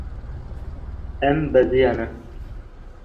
Em beziyane.